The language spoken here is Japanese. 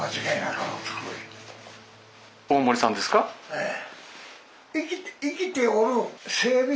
ええ。